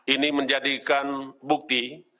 ini menjadikan bukti